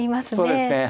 そうですね。